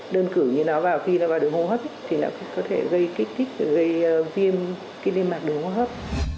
đơn cử như nó vào khi nó vào đường hô hấp thì nó có thể gây kích thích gây viêm mạng đường hô hấp